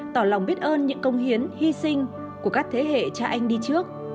tỏ lòng biết ơn những công hiến hy sinh của các thế hệ cha anh đi trước